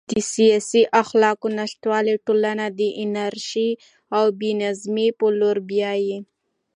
د سیاسي اخلاقو نشتوالی ټولنه د انارشي او بې نظمۍ په لور بیايي.